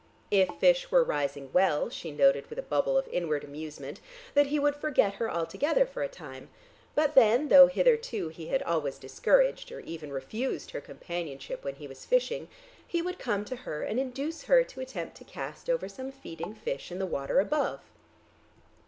If fish were rising well, she noted with a bubble of inward amusement that he would forget her altogether for a time, but then, though hitherto he had always discouraged or even refused her companionship when he was fishing, he would come to her and induce her to attempt to cast over some feeding fish in the water above.